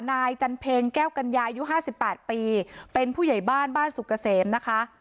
นายจันเพ็งแก้วกัญญาอายุห้าสิบแปดปีเป็นผู้ใหญ่บ้านบ้านสุกเกษมนะคะ